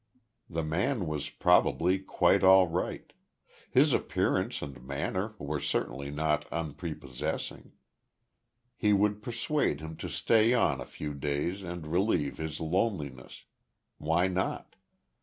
The man was probably quite all right; his appearance and manner were certainly not unprepossessing. He would persuade him to stay on a few days and relieve his loneliness. Why not?